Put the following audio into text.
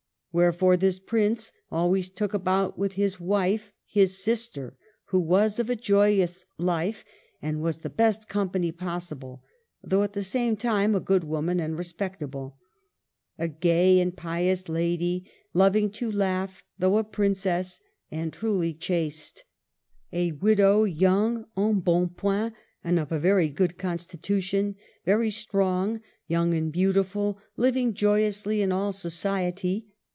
Wherefore this Prince always took about with his wife his sister, who was of a joyous life, and was the best company possible, though at the same time a good woman and respectable ... a gay and pious lady, loving to laugh, though a princess and truly chaste. A widow, young, efi bo7i pointy and of a very good constitution ... very strong ... young and beautiful, living joyously in all society